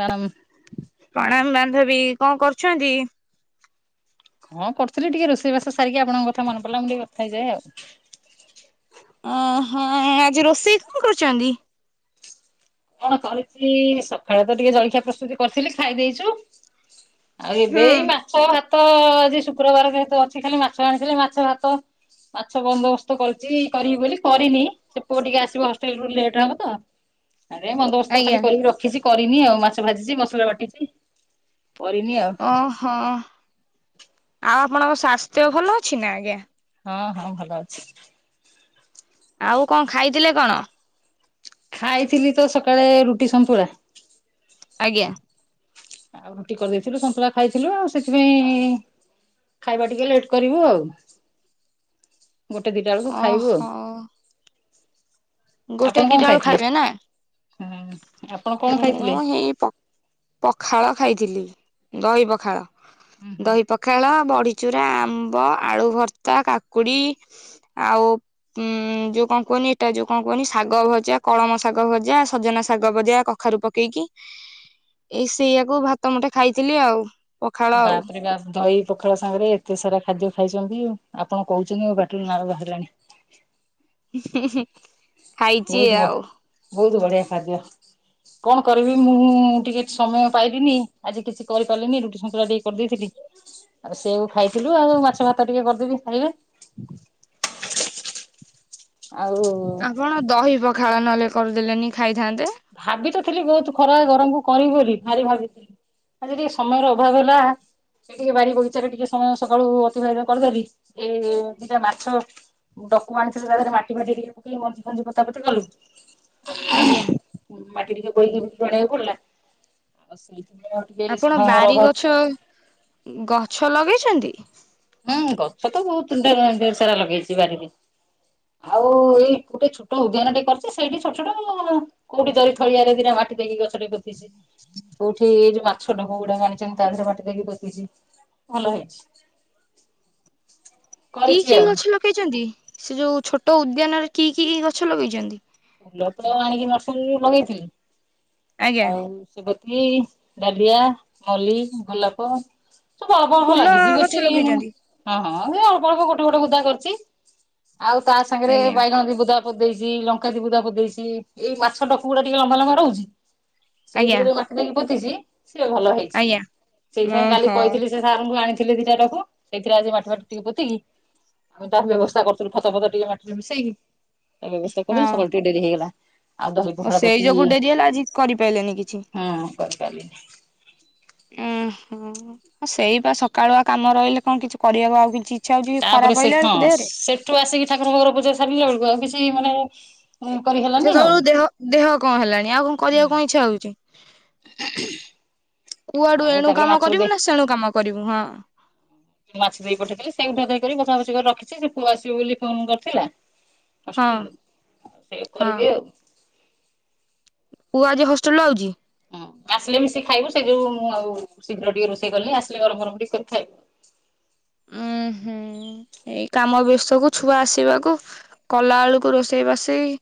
ବରମ୍ ପ୍ରଣାମ ବାନ୍ଧବୀ କଣ କରୁଛନ୍ତି? ହଁ କରଥିଲି ଟିକେ ରୋଷେଇବାସ ସାରିକି ଆପଣଙ୍କ କଥା ମନ ପଡିଲା ମୁଁ ଟିକେ କଥା ହେଇଯଏ ଆଉ। ଅ ହଁ ଆଜି ରୋଷେଇ କଣ କରୁଚନ୍ତି? କଣ କରିଚି ସକାଳେ ତ ଟିକେ ଜଳଖିଆ ପ୍ରସ୍ତୁତି କରିଥିଲି ଖାଇ ଦେଇଚୁ। ଆଉ ଏବେ ହୁଁ ଏଇ ମା ମୋ ଭାତ ଆଜି ଶୁକ୍ରବାର ଯେହେତୁ ଅଛି କାଲି ମାଛ ଆଣିଥିଲେ ମାଛ ଭାତ ମାଛ ବନ୍ଦୋବସ୍ତ କରିଛି କରିବି ବୋଲି କରିନି ସେ ପୁଅ ଟିକେ ଆସିବ ହଷ୍ଟେଲେ ରୁ ଲେଟ୍ ହେବ ତ। ଆରେ ବନ୍ଦୋବସ୍ତ ଖାଲି ଆଜ୍ଞା। କରିକି ରଖିଛି କରିନି ଆଉ ମାଛ ଭାଜିଛି ମସଲା ବାଟିଛି କରିନି ଆଉ। ଓହୋ ଆଉ ଆପଣଙ୍କ ସ୍ୱାସ୍ଥ୍ୟ ଭଲ ଅଛି ନା ଆଜ୍ଞା? ହଁ ହଁ ଭଲ ଅଛି। ଆଉ କଣ ଖାଇଥିଲେ କଣ? ଖାଇଥିଲି ତ ସକାଳେ ରୁଟି ସନ୍ତୁଳା। ଆଜ୍ଞା। ଆଉ ରୁଟି କରିଦେଇଥିଲୁ ସନ୍ତୁଳା ଖାଇଥିଲୁ ଆଉ ସେଥିପାଇଁ ଖାଇବା ଟିକେ ଲେଟେ କରିବୁ ଆଉ। ଗୋଟେ ଦିଇଟା ବେଳକୁ ଖାଇବୁ ଆଉ। ଓହୋ ଗୋଟେ ଆପଣ କଣ ଦିଇଟା ବେଳୁ ଖାଇଥିଲେ? ଖାଇବେ ନା ହୁଁ ଆପଣ କଣ ଖାଇଥିଲେ? ମୁଁ ହେଇ ପ ପଖାଳ ଖାଇଥିଲି ଦହି ପଖାଳ ହୁଁ ହୁଁ। ଦହି ପଖ ପଖାଳ ବଡ଼ିଚୁରା ଆମ୍ବ ଆଳୁ ଭର୍ତ୍ତା କାକୁଡ଼ି ଆଉ ଉଁ ଯୋଉ କଣ କୁହନି ଏଟା ଯୋଉ କଣ କୁହନି ଶାଗ ଭଜା କଳମ ଶାଗ ଭଜା ସଜନା ଶାଗ ଭଜା କଖାରୁ ପକେଇକି ଏଇ ସେଇଆାକୁ ଭାତ ମୁଟେ ଖାଇଥିଲି ଆଉ। ପଖାଳ ଆଉ ବାପରେ ବାପ ଦହି ପଖାଳ ସାଙ୍ଗରେ ଏତେ ସାରା ଖାଦ୍ୟ ଖାଇଚନ୍ତି ଆପଣ କୋହୁଚନ୍ତି ମୋ ବାଟିରୁ ନାଳ ବାହାରିଲାଣି। ହୁଁ ହୁଁ। ବହୁତ ବ ବିହୁତ ବଢିଆ ଖାଦ୍ୟ। କଣ କରିବି ମୁଁ ଟିକେ ସମୟ ପାଇବିନି ଆଜି କିଛି କରିପାରିଲିନି ରୁଟି ଶନ୍ତଳା ଟିକେ କରିଦେଇଥିଲି। ୳ ସେଉଖାଇଥିଲୁ ଆଉ ମାଛ ଭାତ ଟିକେ କରିଦେବି ଖାଇବେ ଆଉ। ଆପଣ ଦହି ପଖାଳ ନହେଲେ କରିଦେଲେନି ଖାଇଥାନ୍ତେ। ଭାବି ତଥିଲି ବହୁତ ଖରା ଗରମକୁ କରିବି ବୋଲି ଭାରି ଭାବିଥିଲି ଆଜି ଟିକେ ସମୟଯଦି ସମୟର ଅଭାବ ହେଲା ସେ ଟିକେ ବାରି ବଗିଚାରେ ଟିକେ ସମୟ ସକାଳୁ ଅତିବାହିତ କରିଦେବି ଏ ଦଟା ମାଛ ଡକୁ ଆଣିଥିଲେ ତାହା ଧିରେ ମାଟି ଫାଟି ଟିକେ ଦେଇକି ପୋଷା ପୋତି କଲୁ। ଆଜ୍ଞା। ମାଟି ଟିକେ ବୋଇକି ଜଳେଇବାକୁ ପଡିଲା ଆଉ ସେଇଥିପାଇଁ। ଟିକେ ଆପଣ ସମୟର ଅଭାବ ବାରିଗଛ ଗଛ ଲଗେଇଛନ୍ତି? ହୁଁ ଗଛ ତ ବହୁତ ଢେରସାରା ଲଗେଇଛି ବାାରିରେ ଆଉ ଏଇ ଗୋଟେ ଛୋଟ ଉଦ୍ୟାନ ଟେ କରିଛି ସେଇଠି ଛୋଟ ଛୋଟ କୋଉଠି ଜରି ଖଳିଆରେ ଦିଟା ମାଟି ଦେଇକି ଗଛଟେ ପୋତିଛି କୋଉଠି ଏଇ ଯୋଉ ମା ଛୋଟ କୋଉ ଗୁଡାକ ଆଣିଛନ୍ତି ତା ଦେହରେ ବାଟି ଦେଇକି ପୋତିଛି ଭଲ ହେଇଛି। କି କରିଛି କି ଆଉ ଗଛ ଲଗେଇଚନ୍ତିସେ ଯୋଉ ଛୋଟ ଉଦ୍ୟାନରେ କି କି କି ଗଛ ଲଗେଇଛନ୍ତି? ଫୁଲ ଫୁଲ ଆଣିକି ନର୍ସରୀରେ ଲଗେଇଥିଲି ଆଜ୍ଞା ଆଉ ସେ କି ଡାଲିଆ ମ୍ଲି ଗୋଲାପ ଅଳ୍ପ ଅଳ୍ପ ଫୁଲ ଲାଗିଛି ଗଛ ବେଶୀନୁ। ଲଗେଇଛନ୍ତି ହଁ ହଁ ଏ ଅଳ୍ପ ଅଳ୍ପ ଗୋଟେ ଗୋଟେ ବୁଦା କରିଚି ଆଉ ତା ସାଙ୍ଗରେ ଆଜ୍ଞା ବାଇଗଣ ବି ବୁଦା ପଦେଇଛି ଲଙ୍କା ଦିିବୁଦା ପ ଦେଇେଇଛି ଏଇ ମାଛ ଟକୁ ଗୁଡା ଟିକେ ଲମ୍ବା ଲମ୍ବା ରହୁଛି ଆଜ୍ଞା ସେଇଥିରେ ଯୋଉ ମାଟି ଟାକି ପୋତିଛି ସିଏ ଭଲ ହେଇଛି ଆଜ୍ଞା ସେଇଥିପାଇଁ କାଲି ଓହୋ କହିଥିଲି ସେ ସାର୍ଙ୍କୁ ଆଣିଥିଲି ଦିଟା ଡବା ସେଇଥିରେ ଆଜି ମାଟି ଫାଟି ଟିକେ ପୋତିକ କି ମୁଁ ତା ବ୍ୟବସ୍ଥା କରୁଥିଲୁ ଖତ ଫତ ଟିକେ ମାଟିିରେମିଶେଇକି ତା ବ୍ୟବସ୍ଥା ହଁ କରିୁଥିଲୁ ସକାଳୁ ଟିକେ ଡେରି ହେଇଗଲା। ଆଉ ଦହି, ଓ ପଖଳ ସେଇ କରିଥିଲି ଯୋଗୁ ଡେରି ହେଲା ଆଜି କରିପାରିଲେନି କିଛି ହଁତରକାରି। ଉଁ ହୁଁସେଇ ବା ସକାଳୁଆ କାମ ରହିଲେ କଣ କିଛି କରିହବ ଆଉ କିଛି। ଇଚ୍ଛା ହଉଛିଖରା ପାଇଲାଣି ତୋ ଦେହରେ? ତୁଆସିକି ଠାକୁରଙ୍କର ପୂଜା ସାରିଲା ବେଳକୁ ଆଉ କିଛି ମାନେ ଉଁ କରି ଖାଆ। ସେତେବେଳୁ ଦେହ ଦେହ କଣ ହେଲାଣି ଆଉ କଣ କରିବାକୁ କଣ ଇଚ୍ଛା ହଉଛି। କୁଆଡୁ ଆଉ ଏଣୁ ତାପରେ କାମ ମାଛ ଦେ କରିବୁ ନା ସେଣୁ କାମ କରିବୁ ହଁ। ମାଛ ଦେଇ ପଠେଇଥିଲି ସେଇ ଗୁଠକକରି କଥାବଚି କରି ରଖିଛି ସେ ପୁଅ ଆସିବ ବୋଲି ଫୋନ କରିଥିଲା। ହଁ କଷ୍ଟ ହେ ସେ ଟିକେ ହଁ କରିବେ ଆଉ। ପୁ ଆଜି ହଷ୍ଟେଲରୁ ଆଉଛି? ହୁଁ ଆସିଲେ ମିଶିକି ଖାଇବୁ ସେ ଯୋଉ ମୁଁ ଆଉ ଶୀଘ୍ର ଟିକେ ରୋଷେଇ କଲି ଆସିଲେ ଗରମ ଗରମ ଟିକେ କରି ଖାଇବୁ। ହୁଁ ହୁଁ। ଏଇ କାମ ବ୍ୟାସ୍ତକୁ ଛୁଆ ଆସିବାକୁ କଲା ବଳୁକୁ ରୋଷେଇ ବାସେଇ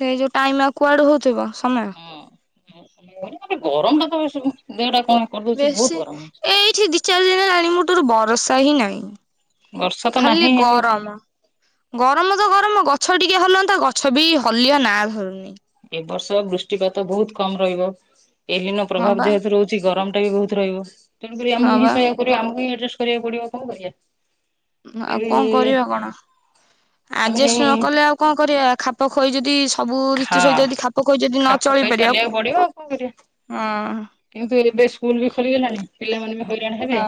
ସେଇ ଯୋଉ ଟାଇମ କୁଆଡୁ ହଉଥିବ ସମୟ। ହଁ ଗରମ ଟା ତ ବ ଦେଟା କଣ? କରିଦଉଛି ବହୁତ ବେଶି ଗରମ ହଉଛି। ଏଇଠି ଦି ଚାରି ଦିନ ହେଲାଣି ମୋଟୁରୁ ଭରସା ହିଁ ନାହିଁ। ବର୍ଷା ତ ନାହିଁ ଖାଲି ଆଉ ଗରମ। ଗରମ ତ ଗରମ ଗଛ ଟିକେ ହଲଅନ୍ତା ଗଛ ବି ହଲିଆ ନା ଧରୁନି। ଏବ ବର୍ଷ ବୃଷ୍ଟିପାତ ବହୁତ କମ ରହିବ ଏଲିନ ହଁ ପ୍ରଭାବ ବା ଯେହେତୁ ରହୁଛି ଛି ଗରମ ଟା ବି ବହୁତ ରହିବ ତେଣୁକରି ହଁ ଆମକୁ ହିଁ ବା ସହାୟକ କରିବ ଆମକୁ ହଡଜଷ୍ଟ କରିବାକୁ ପଡିବ କଣ କରିବା। ଆଉ କଣ ଆମେ କରିବା କଣ ଆମେ ହେଇ ଆଡଜଷ୍ଟ ନ କଲେ ଆଉ କଣ କରିବା ଖାପଖୋଇ ଯଦି ସବୁ ଖା ଋତୁ ସହିତ ଯଦି ଖାପଖୋଇ ଯଦି ନ ଖାପ ଚଳେଇ ଖୁଆଇ ଚାଲିବାକୁ ପଡିବ ଆଉ କଣ କରିବା। ପାରିବା-ଉଁ- କିନ୍ତୁ ଏବେ ସ୍କୁଲ୍ ବି ଖୋଲିଗଲାଣି ପିଲାମାନେ ବି ହଇରାଣ ହଁ ହେବେନି।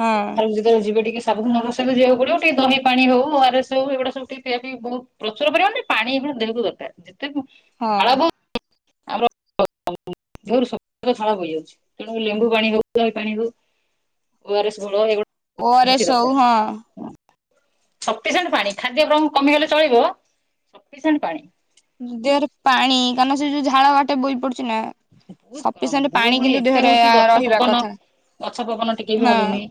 ହଁ। ଖାଲି ଯେତେବେଳେ ଯିବେ ଟିକେ ସାବଧାନ ସହିତ ଯିବାକୁ ପଡିବ ଟିକେ ଦହି ପାଣି ହଉ ଓଆରଏସ୍ ହଉ ଏଗୁଡ଼ା ସବୁ ଟିକେ ପିଆ ପିଇ ବହୁତ୍ ପ୍ରଚୁର ପରିମାଣରେ ପାଣି ଏଭଳି ଦେହକୁ ଦରକାର୍ ଯେତେ ହଁ ଝାଳ ବହୁ ଆମର ଦେହରୁ ସବୁତକ ଝାଳ ବହିଯାଉଚି ତେଣୁ ଲେମ୍ବୁ ପାଣି ହଉ ଦହି ପାଣି ହଉ ଓଆରଏସ୍ ଗୁଣ୍ଡ ଏଗୁ [inaudible] ଓ ଆର ନିହାତି ଏସ୍ ହଉ ଦରକାର୍। ହଁ ସଫିସେଣ୍ଟ୍ ପାଣି ଖାଦ୍ୟ ବରଂ କମିଗଲେ ଚଳିବ ସଫିସେଣ୍ଟ୍ ପାଣି। ଦେହରେ ପାଣି କାରଣ ସେ ଯଉ ଝାଳ ବାଟେ ବହି ପଡୁଚି ନା ବହୁତ ଗରମ ସଫିସେଣ୍ଟ୍ ଗୁଳୁ ପାଣି ଗୁଳି କିନ୍ତୁ ଏତେ ଦେହରେ ହଉଛି ଗଛ ଆ-ରହିବା ପବନ କଥା। ଗଛ ପବନ ଟିକେ ବି ହଁ ହଲୁନି।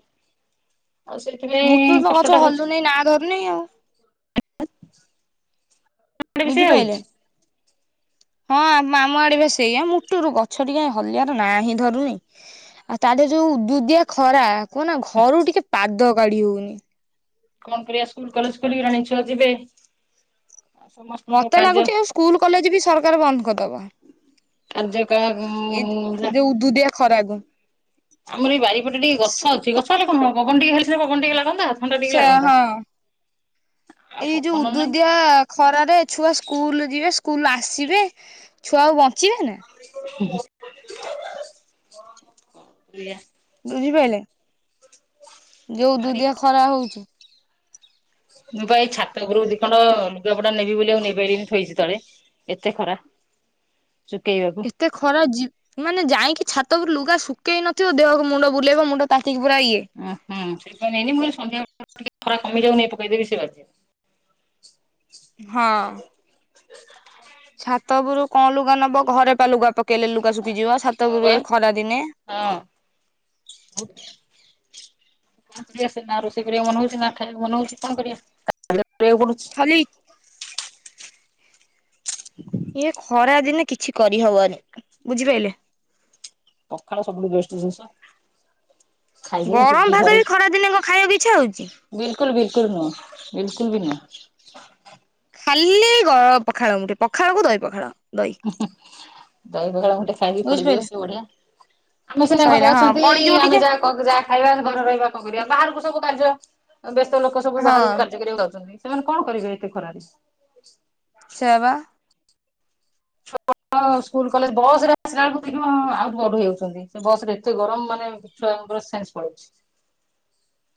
ଆଉ ସେଥିପାଇଁ ମୁଟୁରୁ ତ ଗଛ କଷ୍ଟ ଟା ହଉଚି। ହଲୁନି ନା ଧରୁନି ଆଉ [inaudible] ବି ସେଇଆ ବୁଝିପାଇଲେ ହଉଚି। ହଁ ଆମ -ଆମ ଆଡ଼େ ବା ସେଇଆ ମୁଟୁରୁ ଗଛ ଟିକେ ହଲିଆର ନାଁ ହିଁ ଧରୁନି। ଆଉ ତା ଦେହରେ ଯଉ ଉଦୁଉଦିଆ ଖରା କୁହନା ଘରୁ ଟିକେ ପାଦ କାଢି ହଉନି। କଣ୍ କରିବା ସ୍କୁଲ୍ କଲେଜ୍ ଖୋଲି ଗଲାଣି ଛୁଆ ଯିବେ। ଆଉ ସମସ୍ତଙ୍କ ମତେ କାର୍ଯ୍ୟ ଲାଗୁଚି ଏଇ ସ୍କୁଲ କଲେଜ ବି ସରକାର ବନ୍ଦ୍ କରିଦବ। ଏଇ ଯୋଉ [unintelligible] ଉଦୁଉଦିଆ ଖରାକୁ। ଆମର ଏଇ ବାରିପଟେ ଟିକେ ଗଛ ଅଛି ଗଛ ହେଲେ କଣ ହବ ପବନ ଟିକେ ହେଲେ ସେ ପବନ ଟିକେ ଲାଗନ୍ତା। ଥଣ୍ଡା ଟିକେ ସା- ଲାଗନ୍ତା। ଆଉ ହଁ ଏଇ ଯଉ ପବନ ନାହିଁ ଉଦୁଉଦିଆ ଖରାରେ ଛୁଆ ସ୍କୁଲୁ ଯିବେ ସ୍କୁଲୁରୁ ଆସିବେ ଛୁଆ ଆଉ ବଞ୍ଚିବେନା। କଣ କରିବା। ବୁଝିପାଇଲେ ଯଉ ଭାରି ଉଦୁଉଦିଆ ଖରା ହଉଚି ମୁଁ ପା ଏଇ ଛାତ ଉପରକୁ ଦି ଖଣ୍ଡ ଲୁଗାପଟା ନେବି ବୋଲି ଆଉ ନେଇପାଇଲିନି ଥୁଇଚି ତଳେ। ଏତେ ଖରା ଶୁକେଇବା ଏତେ ଖରା ଜୀ ମାନେ ଯାଇକି ଛାତ ଉପରକୁ ଲୁଗା ଶୁକେଇ ନଥିବ ଦେହକୁ ମୁଣ୍ଡ ବୁଲେଇବ ମୁଣ୍ଡ ତାତିକି ପୁରା ଇଏ। ଉଁ- ହୁଁ ସେଇପାଇଁ ନେଇନି ମୁଁ କହିଲି ସନ୍ଧ୍ୟାବେଳେ ଟିକେ ଖରା କମିଯାଉ ନେଇ ପକେଇଦେବି ସେ ବାଜିଯିବ। ହଁ। ଛାତ ଉପରକୁ କଣ ଲୁଗା ନବ ଘରେ ପା ଲୁଗା ପକେଇଲେ ଲୁଗା ଶୁକିଯିବ ଛାତ ହଁ ବା ଉପୁରୁ ଏ ଖରା ଦିନେ ହଁ। କଣ କରିବା ସେ ନା ରୋଷେଇ କରିବାକୁ ମନ ହଉଚି ନା ଖାଇବାକୁ ମନ ହଉଚି କଣ କରିବା [inaudible] କରିବାକୁ ପଡୁଚି। ଖାଲି ଏ ଖରା ଦିନେ କିଛି କରିହବନି ବୁଝିପାଇଲେ। ପଖାଳ ସବୁଠୁ ବେଷ୍ଟ୍ ଜିନିଷ। ଖାଇଦେଇକି ଗରମ୍ ଶୁଖି ଭାତ ବି ଖରା ଦିନେ କଣ ଖାଇବାକୁ ଇଚ୍ଛା ହଉଚି। ବିଲକୁଲ୍- ବିଲକୁଲ୍ ନୁହଁ ବିଲକୁଲ୍ ବି ନୁହଁ। ଖାଲି ଗଳ- ପଖାଳ ମୁଠେ ପଖାଳକୁ ଦହି ପଖାଳ ଦହି। ଦହି ପଖାଳ ମୁଠେ ଖାଇକି ପଡିଯିବ ବୁଝିପାରିଲେ। ସେ ବଢିଆ। [unintelligible] ସଇଲା ହଁ ପଡିଯିବ ଟିକେ ଯାହା ଖାଇବା ଘରେ ରହିବା କଣ କରିବା ବାହାରକୁ ସବୁ କାର୍ଯ୍ୟ ବ୍ୟସ୍ତ ଲୋକ ସବୁ ହଁ ବାହାରକୁ କାର୍ଯ୍ୟ କରିବାକୁ ଯାଉଚନ୍ତି ସେମାନେ କଣ କରିବେ ଏତେ ଖରାରେ। ସେୟା ବା। [unintelligible] ହଁ ସ୍କୁଲ କଲେଜ ବସ୍ ରେ ଆସିଲା ବେଳକୁ ଆଉଟୁ ପାଉଟୁ ହେଇଯାଉଛନ୍ତି, ସେ ବସ୍ ରେ ଏତେ ଗରମ ମାନେ ଛୁଆଙ୍କର ସେନ୍ସ ପଳଉଛି।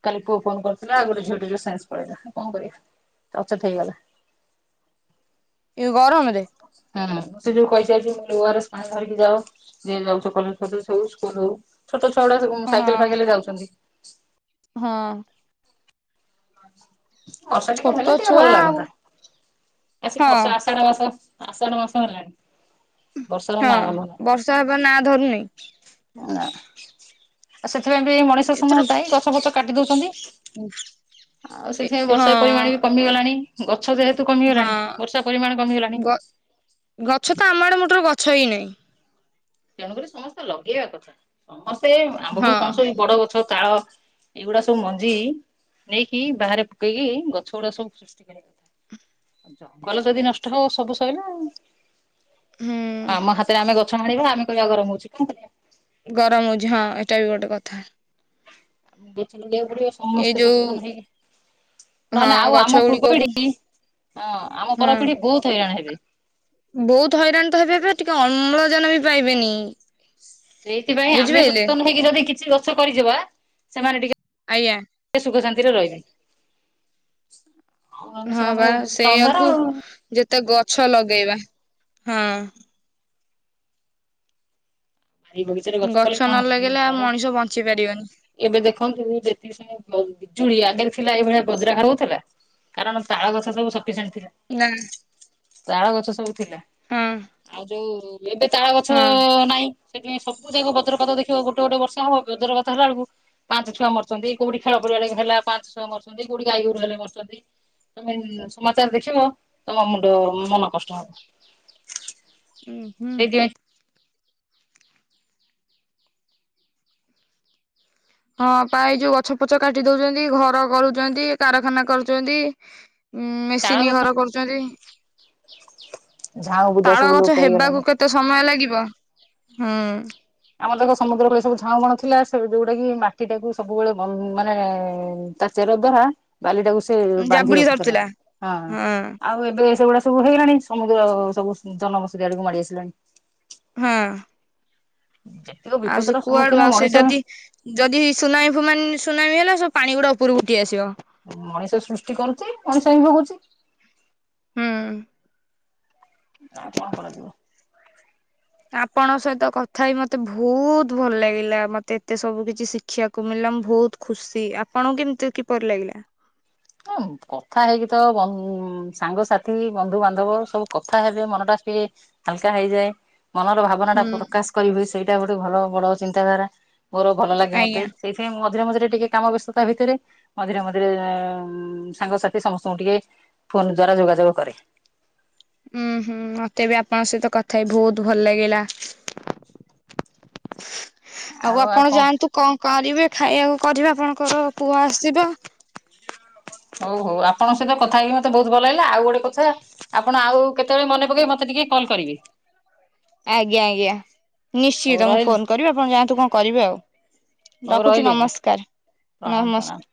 କାଲି ପୁଅ ଫୋନ କରିଥିଲା ଆଉ ଗୋଟେ ଝିଅଟେ ର ସେନ୍ସ ପଳେଇଲା, କଣ କରିବା ଅଚେତ ହେଇଗଲା। ଏଇ ଗରମରେ? ହୁଁ ମୁଁ ସେ ଯୋଉ କହି ଚାଲିଚି ପାଣି ଧରିକି ଯାଅ ଯିଏ ଯାଉଛ କଲେଜ ଫଲେଜ୍ ସ୍କୁଲ ହୋଉ। ଛୋଟ ଛୁଆ ଗୁଡା ସବୁ ସାଇକେଲ ହଁ ଫାଇକେଲ ଯାଉଛନ୍ତି। ହଁ। ବର୍ଷା ଟିକେ ଛୋଟ ହେଲେ ଟିକେ ଛୁଆ ଭଲ ଆଉ ଲାଗନ୍ତା ହଁ ଆସିକ ବର୍ଷା ଆସ ଆସାଢ଼ ମାସ, ଆସାଢ଼ ମାସ ହେଲାଣି। ବର୍ଷାର ହଁ, ନାଁ ଗନ୍ଧ ବର୍ଷା ହେବା ନାଁ ଧରୁନି। ନା ଆଉ ସେଥିପାଇଁ ବି ମଣିଷ ଏଥର ସମୟ ଯାଇ ଗଛ ଫଛ କାଟି ଦଉଛନ୍ତି। ଆଉ ଏ ସେଥିପାଇଁ ବର୍ଷାର ହଁ ପରିମାଣ ବି କମିଗଲାଣି। ଗଛ ଯେହେତୁ କମିଗଲାଣି ହଁ ବର୍ଷା ପରିମାଣ କମିଗଲାଣି। ଗ ଗଛ ତ ଆମ ଆଡ଼ ମୁଟରୁ ଗଛ ହେଇନାହିଁ। ତେଣୁକରି ସମସ୍ତେ ଲଗେଇବା କଥା ସମସ୍ତେ ଆମ୍ଭକୁ ହଁ କଣ ସବ ବଡ ଗଛ ତାଳ ଏଇଗୁଡା ସବୁ ମଞ୍ଜି ନେଇକି ବାହାରେ ପକେଇକି ଗଛ ଗୁଡା ସବୁ ସୃଷ୍ଟି କରିବା। କଥା। ଜଙ୍ଗଲ ଯଦି ନଷ୍ଟ ହବ ସବୁ ସଇଲା ଆଉ। ହୁଁ ଆମ ହାତରେ ଆମେ ଗଛ ହାଣିବା ଆମେ କହିବା ଗରମ ହଉଛି କ ଗରମ ହୋଉଛି, ହଁ ଏଟା ବି ଗୋଟେ କଥା। ଆ ଗଛ ଲଗେଇବାକୁ ପଡିବ ଏଇ ସମସ୍ତେ ଯୋଉ ସଚେତନ ହେଇକି। ନହେଲେ ହଁ ଆଉ ଗଛ ଆମ ପୂର୍ବ ଗୁଡିକକୁ ପିଢି, ହଁ ଆମ ହଁ ପରପିଢି ବହୁତ ହଇରାଣ ହେବେ। ବହୁତ ହଇରାଣ ତ ହେବେ ହେବେ ଟିକେ ଅମ୍ଳଜାନ ବି ପାଇବେନି। ସେଇଥିପାଇଁ ଆମେ ବୁଝିପାରିଲେ ସଚେତନ ହେଇକି ଯଦି କିଛି ଗଛ କରିଯିବା ସେମାନେ ଆଜ୍ଞା। ଟିକେ ସେ ସୁଖ ଶାନ୍ତିରେ ରହିବେ। ଆଉ ଆମେ ହଁ ବା ସେମାନଙ୍କ ଭବିଷ୍ୟତ ଅନ୍ଧାର ସେଇଆକୁ ଆଉ। ଯେତେ ଗଛ ଲଗେଇବା ହଁ। ଏଇ ବଗିଚାରେ ଗଛ କଲେ କଣ ନ ହବ କିନ୍ତୁ ଲଗେଇଲେ ଆଉ ବଡ ମଣିଷ ବଞ୍ଚି ପାରିବନି ଏବେ ଦେଖନ୍ତୁ ଯେତିକି ସେ ବିଜୁଳି ଆଗରେ ଥିଲା ଏଇଭଳିଆ ବଜ୍ର ହାର ହଉଥିଲା। କାରଣ ତାଳ ଗଛ ସବୁ ସପିସେଣ୍ଟ ଥିଲା। ନା। ତାଳ ଗଛ ସବୁ ଥିଲା, ହଁ ଆଉ ଯୋଉ ଏବେ ତାଳ ଗଛ ହଁ ନାହିଁ। ସେଇଥିପାଇଁ ସବୁ ଯା ବଜ୍ରପାତ ଦେଖିବ ଗୋଟେ ଗୋଟେ ବର୍ଷ ହବ ବଜ୍ରପାତ ହେଲା ବେଳକୁ ପାଞ୍ଚ ଛୁଆ ମରଚଛନ୍ତି, କୋଉଠି ଖେଳ ପଡିଆ ଲାଗି ହେଲା ପାଞ୍ଚ ଛୁଆ ମରଛନ୍ତି, କୋଉଠି ଗାଈଗୋରୁ ହେଲେ ମରଚଛନ୍ତି। ତମେ ସମାଚାର ଦେଖିବ ତମ ମୁଣ୍ଡ ମନ କଷ୍ଟ ହବ, ଉଁ ହୁଁ ସେଇଥିପାଇଁ ହଁ ପା ଏଇ ଯୋଉ ଗଛ ପଛ କାଟି ଦଉଛନ୍ତି ଘର କରୁଛନ୍ତି, କାରଖାନା କରୁଛନ୍ତି। ଉ ତାଳ ମେସିନ୍ ଗଛ ଘର କରୁଛନ୍ତି, ଝାଉଁ ବୁଦା ତାଳ ସବୁ ଲୋପ ଗଛ ହେବାକୁ ପାଇଗଲାଣି। କେ ତେ ସମୟ ଲାଗିବ ହୁଁ। ଆମର ଦେଖ ସମୁଦ୍ର କୂଳେ ସବୁ ଝାଉଁ ବଣ ଥିଲା ସେ ଯୋଉଟା କି ମାଟି ଟାକୁ ସବୁବେଳେ ମାନେ ତା ଚେର ଦ୍ୱାରା ବାଲିଟାକୁ ସେ ବାନ୍ଧି ଜାବୁଡି ରଖୁଥିଲା ଧରିଥିଲା ହଁ ଆଉ ଏବେ ସେଗୁଡା ସବୁ ହେଇଗଲାଣି ସମୁଦ୍ର ସବୁ ଜନବସତି ଆଡକୁ ମାଡି ଆସିଲାଣି। ହଁ। ଯେତିକ ଆଉ ସେ ବିପଦର କୁଆଡୁ ସମ୍ମୁଖୀନ ଆଉ ସେ ମଣିଷ ଯଦି ଯଦି ସୁନାମ ଫ ସୁନାମି ହେଲା ସବୁ ପାଣି ଗୁଡା ଉପରୁକୁ ଉଠୀ ଆସିବ। ମଣିଷ ସୃଷ୍ଟି କରୁଛି, ମଣିଷ ହିଁ ଭୋଗୁଛି। ହୁଁ। ଆଉ କଣ କରାଯିବ। ଆପଣଙ୍କ ସହିତ କଥା ହେଇ ମତେ ଭୋଉତ ଭଲ ଲାଗିଲା ମତେ ଏତେ ସବୁ କିଛି ଶି ଖିଆକୁ ମିଳିଲା ମୁଁ ଭୋଉତ ଖୁସି ଆପଣଙ୍କୁ କିମତି କିପରି ଲାଗିଲା? ହଁ କଥା ହେଇକି ତ ବ ଉଁ ସାଙ୍ଗସାଥି ବନ୍ଧୁବାନ୍ଧବ ସବୁ କଥା ହେବେ ମନଟା ସ୍ପେ ହାଲକା ହେଇଯାଏ ମନର ଭା ବନାଟା ହୁଁ ପ୍ରକାଶ କରି ହୁଏ ସେଇଟା ଗୋଟେ ଭଲ ବଡ ଚିନ୍ତାଧାରା ମୋର ଭଲ ଲାଗେ ମତେ। ଆଜ୍ଞା ସେଇଥିପାଇଁ ମୁଁ ମଝିରେ ମଝିରେ ଟିକେ କାମ ବ୍ୟସ୍ତତା ଭିତେରେ ମଝିରେ ମଝିରେ ଏଁ ଉଁ ସାଙ୍ଗସାଥି ସମସ୍ତଙ୍କୁ ଟିକେ ଫୋନ୍ ଦ୍ଵାରା ଯୋଗାଯୋଗ କରେ। ଉୁଁ ହୁଁ ମତେ ବି ଆପଣଙ୍କ ସହିତ କଥା ହେଇ ଭୋଉତୁ ଭଲ ଲାଗିଲା। ଆଉ ଆପଣ ଯାଆନ୍ତୁ କଁ କରିବେ ଖାଇଆକୁ କରିବେ ଆପଣଙ୍କର ପୁଅ ଆସଚି ତ। ହଉ ହଉ ଆପଣଙ୍କ ସହିତ କଥା ହେଇକି ମତେ ବୋହୁତୁ ଭଲ ଲାଗିଲା ଆଉ ଗୋଟେ କଥା ଆପଣ ଆଉ କେତେବେଳେ ମନେ ପକେଇ ମତେ ଟିକେ କଲ୍ କରିବେ। ଆଜ୍ଞା ଆଜ୍ଞା ହଉ ନିଶ୍ଚିତ ମୁଁ ରହିଲି ଫୋନ କରିବି ଆପଣ ଯାଆନ୍ତୁ କଁ କରିବେ ଆଉ। ହଉ ଲଖୁଚି ରହିଲି ଆଜ୍ଞା ନମସ୍କାର ପ୍ରଣାମ ପ୍ରଣାମ। ନମସ୍